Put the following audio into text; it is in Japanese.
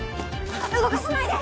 動かさないで！